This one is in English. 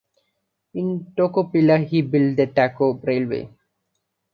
In Tocopilla he built the Toco railway.